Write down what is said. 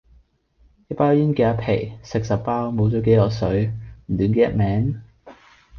一包煙幾廿皮，食十包，冇左幾舊水，唔短幾日命?